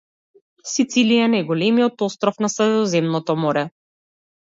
Сицилија е најголемиот остров на Средоземното Море.